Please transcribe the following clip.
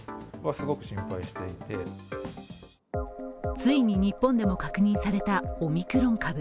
ついに日本でも確認されたオミクロン株。